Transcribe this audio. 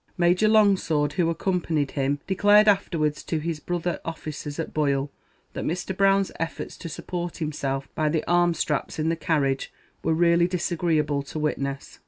Major Longsword, who accompanied him, declared afterwards to his brother officers at Boyle, that Mr. Brown's efforts to support himself by the arm straps in the carriage were really disagreeable to witness.